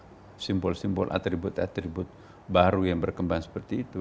ada simbol simbol atribut atribut baru yang berkembang seperti itu